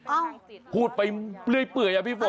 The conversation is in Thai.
อ้าวพูดไปเปื่อยอ่ะพี่ฝน